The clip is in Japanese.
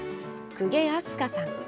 公家明日香さん。